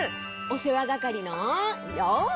おせわがかりのようせい！